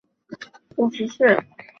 卒年五十四。